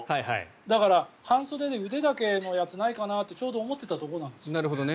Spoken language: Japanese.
だから、半袖で腕だけのやつないかなとちょうど思っていたところなんですよね。